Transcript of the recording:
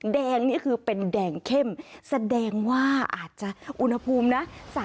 นี่คือเป็นแดงเข้มแสดงว่าอาจจะอุณหภูมินะ